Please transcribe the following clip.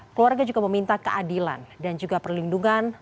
keluarga juga meminta keadilan dan juga perlindungan